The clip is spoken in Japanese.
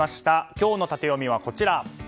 今日のタテヨミはこちら。